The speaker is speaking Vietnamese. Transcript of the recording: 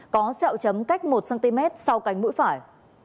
có xeo chấm cách một cm sau cánh mũi phải